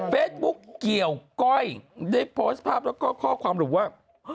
เฟซบุ๊กเกี่ยวก้อยได้โพสต์ภาพแล้วก็ข้อความหลุดว่า